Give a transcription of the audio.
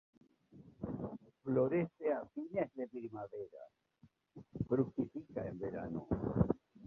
Florece a fines de primavera; fructifica en verano.